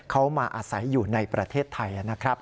เขามาอาศัยอยู่ในประเทศไทยนะครับ